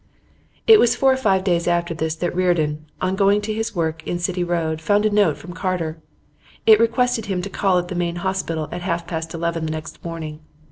It was four or five days after this that Reardon, on going to his work in City Road, found a note from Carter. It requested him to call at the main hospital at half past eleven the next morning.